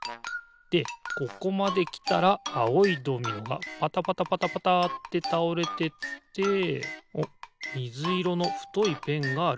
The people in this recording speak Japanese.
でここまできたらあおいドミノがパタパタパタパタってたおれてっておっみずいろのふといペンがある。